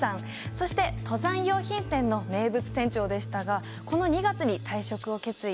そして登山用品店の名物店長でしたがこの２月に退職を決意。